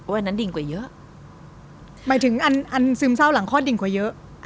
อันนั้นดิ่งกว่าเยอะหมายถึงอันซึมเศร้าหลังคลอดดิ่งกว่าเยอะ